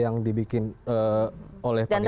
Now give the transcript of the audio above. yang dibikin oleh panitia